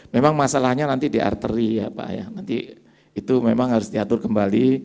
memang masalahnya nanti di arteri ya pak ya nanti itu memang harus diatur kembali